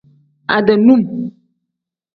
Ade num.